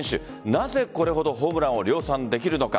なぜこれほどホームランを量産できるのか。